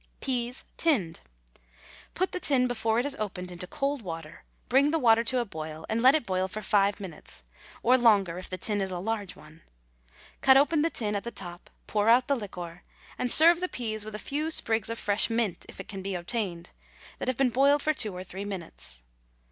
PEAS, TINNED. Put the tin before it is opened into cold water, bring the water to a boil, and let it boil five minutes, or longer if the tin is a large one. Cut open the tin at the top, pour out the liquor, and serve the peas with a few sprigs of fresh mint, if it can be obtained, that have been boiled for two or three minutes.